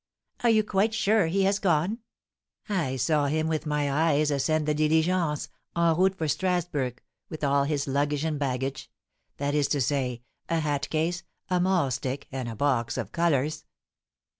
"Are you quite sure he has gone?" "I saw him with my eyes ascend the diligence, en route for Strasburg with all his luggage and baggage; that is to say, a hat case, a maul stick, and a box of colours."